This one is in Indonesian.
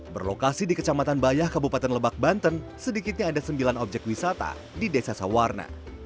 berlokasi di kecamatan bayah kabupaten lebak banten sedikitnya ada sembilan objek wisata di desa sawarna